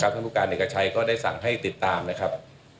ท่านผู้การเอกชัยก็ได้สั่งให้ติดตามนะครับ